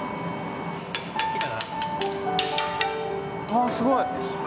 ああすごい！